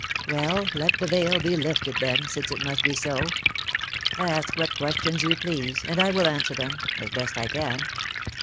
" Well, let the veil be lifted then, since it must be so. Ask what questions you please, and I will answer them as best I can."